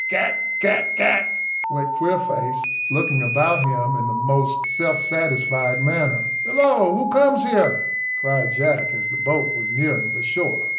"Kack, kack, kack," went Queerface, looking about him in the most self satisfied manner. "Hillo, who comes here?" cried Jack, as the boat was nearing the shore.